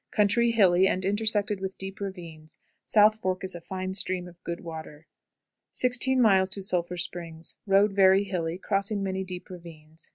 Country hilly, and intersected with deep ravines. South Fork is a fine stream of good water. 16. Sulphur Springs. Road very hilly, crossing many deep ravines.